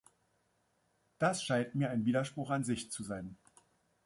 Das scheint mir ein Widerspruch an sich zu sein.